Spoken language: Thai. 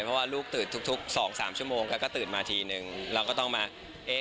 เพราะว่าลูกตื่นทุกสองสามชั่วโมงแกก็ตื่นมาทีนึงเราก็ต้องมาเอ๊ะ